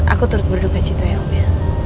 aku terus berduka cita ya om ya